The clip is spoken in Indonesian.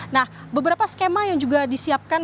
nah beberapa skema yang juga disiapkan